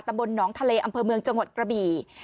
ตำบลหนองทะเลอำเภอเมืองจังหวัดกระบี่